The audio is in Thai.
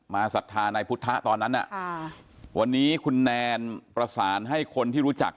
ศรัทธาในพุทธตอนนั้นวันนี้คุณแนนประสานให้คนที่รู้จัก